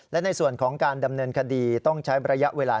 และในส่วนของการดำเนินคดีต้องใช้ระยะเวลา